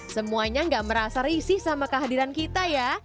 semuanya gak merasa risih sama kehadiran kita ya